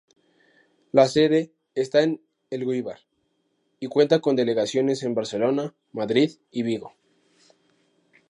La sede está en Elgóibar y cuenta con delegaciones en Barcelona, Madrid y Vigo.